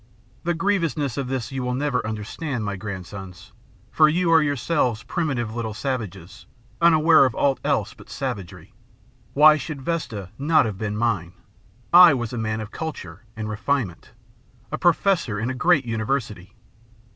The grievous ness of this you will never understand, my grandsons; for you are yourselves primitive little savages, unaware of aught else but savagery. Why should Vesta not have been mine? I was a man of culture and refinement, a professor in a great university.